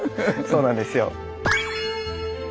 そうなんですよ。